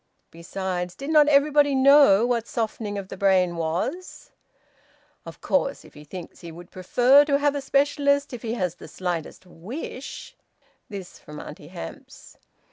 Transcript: Besides, did not everybody know what softening of the brain was? "Of course, if he thinks he would prefer to have a specialist, if he has the slightest wish " This from Auntie Hamps.